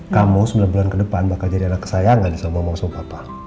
kamu sembilan bulan ke depan bakal jadi anak kesayangan sama mongsong papa